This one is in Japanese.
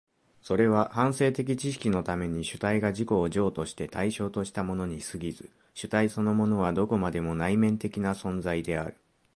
それは反省的知識のために主体が自己を譲渡して対象としたものに過ぎず、主体そのものはどこまでも内面的な存在である。